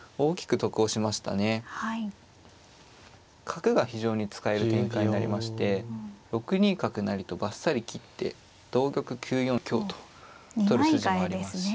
角が非常に使える展開になりまして６二角成とばっさり切って同玉９四香と取る筋もありますね。